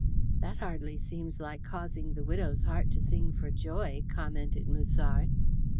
"That hardly seems like causing the widow's heart to sing for joy," commented Musard.